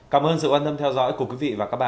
cảm ơn sự quan tâm theo dõi của quý vị và các bạn